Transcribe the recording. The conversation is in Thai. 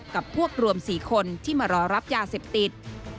กับพวกรวม๔คนที่มารอรับยาเสพติด